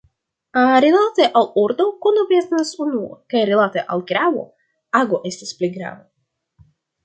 Rilate al ordo, kono venas unua, kaj rilate al gravo, ago estas pli grava.